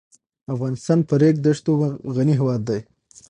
افغانستان په ریګ دښتو غني هېواد دی.